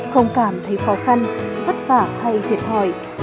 không cảm thấy khó khăn vất vả hay thiệt hỏi